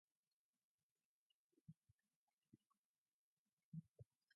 Today Dong-A University is one of the main private universities in the nation.